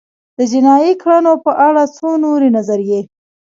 د جنایي کړنو په اړه څو نورې نظریې